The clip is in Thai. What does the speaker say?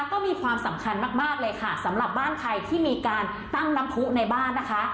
ก็มีความสำคัญมากมากเลยค่ะสำหรับบ้านใครที่มีการตั้งน้ำผู้ในบ้านนะคะ